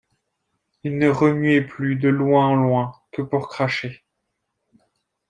Il ne remuait plus, de loin en loin, que pour cracher.